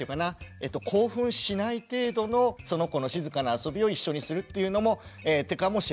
興奮しない程度のその子の静かな遊びを一緒にするっていうのも手かもしれません。